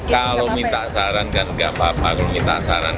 kalau minta saran kan nggak apa apa kalau minta saran